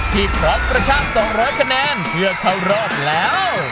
ที่ขอเพราะชาม๒๐๐คะแนนเพื่อเข้ารอบแล้ว